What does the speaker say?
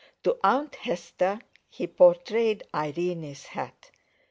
To Aunt Hester he portrayed Irene's hat.